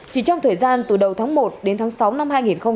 chỉ trong thời gian từ đầu tháng một đến tháng sáu năm hai nghìn hai mươi